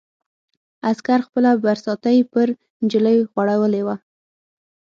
عسکر خپله برساتۍ پر نجلۍ غوړولې وه.